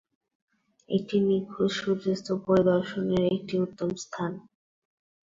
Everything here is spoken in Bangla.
এটি নিখুঁত সূর্যাস্ত পরিদর্শনের একটি উত্তম স্থান।